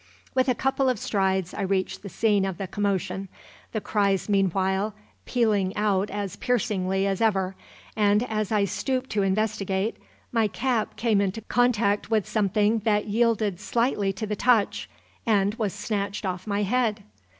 With a couple of strides I reached the scene of the commotion, the cries meanwhile pealing out as piercingly as ever, and as I stooped to investigate, my cap came into contact with something that yielded slightly to the touch, and was snatched off my head.